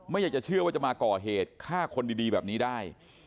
อยากจะเชื่อว่าจะมาก่อเหตุฆ่าคนดีแบบนี้ได้